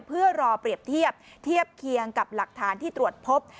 เพื่อรอเปรียบเทียบเทียบเคียงกับหลักฐานที่ตรวจพบ